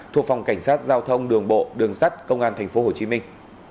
thuộc phòng cảnh sát giao thông đường bộ đường sắt công an thành phố hồ chí minh